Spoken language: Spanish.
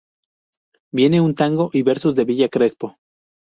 Viene un Tango y versos de Villa Crespo.